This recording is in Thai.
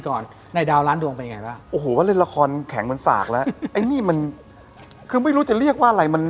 ใช่ที่รัดหลุอลังการและเวิร์ดสุดสุด